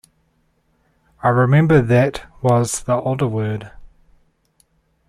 I remember that was the older word.